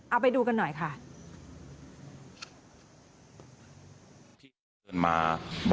เอาไปดูกันหน่อยค่ะ